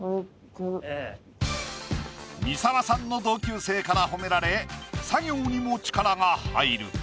三沢さんの同級生から褒められ作業にも力が入る。